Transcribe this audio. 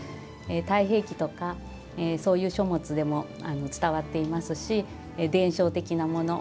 「太平記」とかそういう書物でも伝わっていますし伝承的なもの